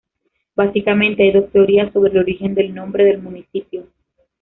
Básicamente hay dos teorías sobre el origen del nombre del municipio.